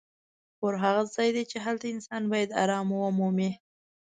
کور هغه ځای دی چې هلته انسان باید ارام ومومي.